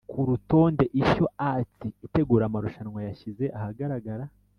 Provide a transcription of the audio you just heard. Ku rutonde Ishyo Arts itegura amarushanwa yashyize ahagaragara